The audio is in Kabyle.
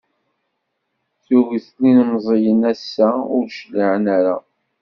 Tuget n yilemẓiyen ass-a ur d-cliɛen ara.